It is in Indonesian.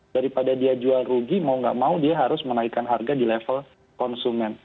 daripada dia jual rugi mau gak mau dia harus menaikkan harga di level konsumen